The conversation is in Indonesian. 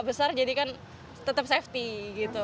besar jadikan tetap safety gitu